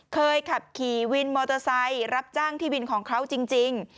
เคยขับขี่วินมอเตอร์ไซค์รับจ้างที่วินของเขาจริง